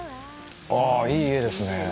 あっいい絵ですね。